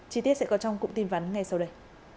chi tiết sẽ có trong cụm tin vắn ngay sau đây